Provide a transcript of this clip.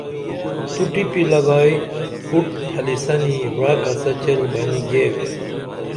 تو ٹِپی لگائی بُٹ پھلِسنی وعکڅہ چیل بنی گیوے